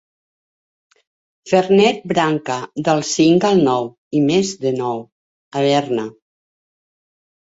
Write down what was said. Fernet Branca del cinc al nou i més de nou, Averna.